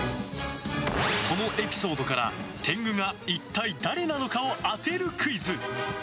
そのエピソードから、天狗が一体誰なのかを当てるクイズ。